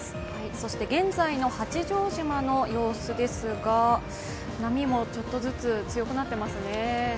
そして現在の八丈島の様子ですが、波もちょっとずつ強くなっていますね。